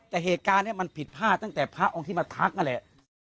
แต่เหตุการณ์นี้มันผิดพลาดตั้งแต่พระองค์ที่มาทักนั่นแหละ